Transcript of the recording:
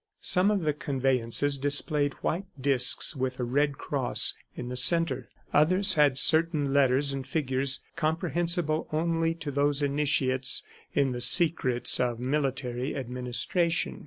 Some of the conveyances displayed white discs with a red cross in the center; others had certain letters and figures comprehensible only to those initiates in the secrets of military administration.